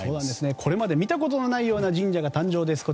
これまで見たことがないような神社が誕生です。